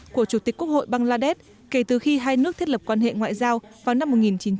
của chủ tịch quốc hội bangladesh kể từ khi hai nước thiết lập quan hệ ngoại giao vào năm một nghìn chín trăm bảy mươi